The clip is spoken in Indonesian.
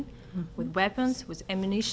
dengan senjata dengan emunisi